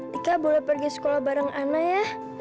tika boleh pergi sekolah bareng anak ya